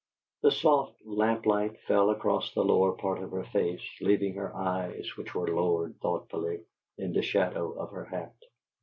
The soft lamplight fell across the lower part of her face, leaving her eyes, which were lowered thoughtfully, in the shadow of her hat.